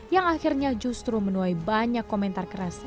yang akhirnya justru menuai banyak komentar keras